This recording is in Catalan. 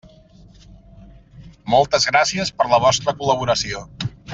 Moltes gràcies per la vostra col·laboració.